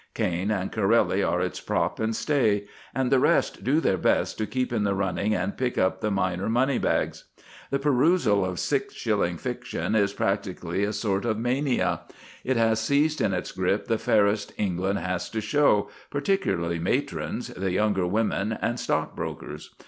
Caine and Corelli are its prop and stay, and the rest do their best to keep in the running and pick up the minor money bags. The perusal of six shilling fiction is practically a sort of mania. It has seized in its grip the fairest England has to show, particularly matrons, the younger women, and stockbrokers.